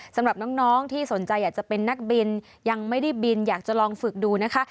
สำหรับน้องที่สนใจอยากจะเป็นนักบินยังไม่ได้บินอยากจะลองฝึกดูนะคะ